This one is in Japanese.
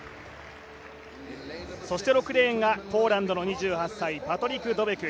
そして６レーンがポーランドの２８歳パトリク・ドベク。